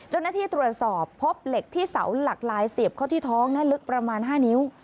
เจ้าหน้าที่ตรวจสอบพบเหล็กที่เสาหลักลายเสียบเข้าที่ท้องลึกประมาณ๕นิ้ว